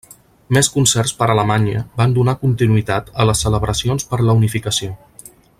Més concerts per Alemanya van donar continuïtat a les celebracions per la unificació.